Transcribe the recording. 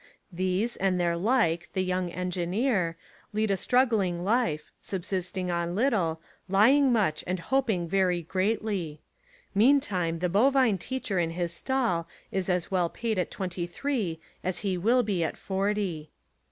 These, and their like, the young engineer, lead a strug gling life, subsisting on little, lying much and hoping very greatly. Meantime, the bovine teacher in his stall is as well paid at twenty three as he will be at forty.